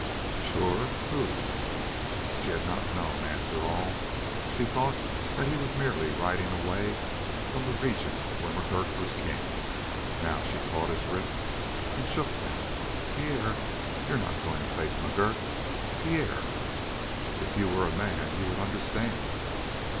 "Sure? Who?" She had not known, after all; she thought that he was merely riding away from the region where McGurk was king. Now she caught his wrists and shook them. "Pierre, you are not going to face McGurk? Pierre!" "If you were a man, you would understand."